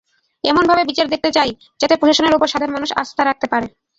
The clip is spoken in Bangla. এমনভাবে বিচার দেখতে চাই, যাতে প্রশাসনের ওপর সাধারণ মানুষ আস্থার রাখতে পারে।